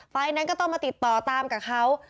นั้นก็ต้องมาติดต่อตามกับเขา